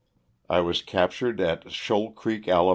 I was captured at Shoal Creek, Ala.